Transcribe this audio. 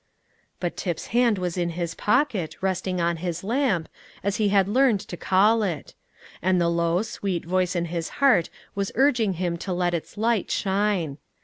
But Tip's hand was in his pocket, resting on his lamp, as he had learned to call it; and the low, sweet voice in his heart was urging him to let its light shine.